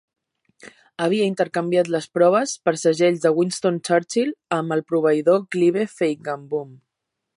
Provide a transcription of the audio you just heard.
Havia intercanviat les proves per segells de Winston Churchill amb el proveïdor Clive Feigenbaum.